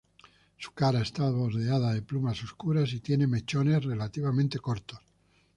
Su cara está bordeada de plumas oscuras y tiene mechones relativamente cortos.